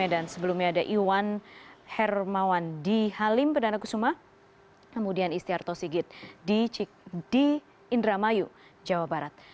terima kasih pak